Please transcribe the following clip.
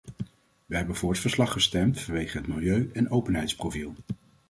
Wij hebben voor het verslag gestemd vanwege het milieu- en openheidsprofiel.